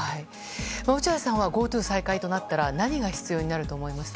落合さんはＧｏＴｏ再開となったら何が必要だと思いますか？